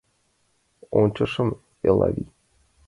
Ончышым, Элавий.